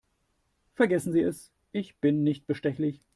Vergessen Sie es, ich bin nicht bestechlich.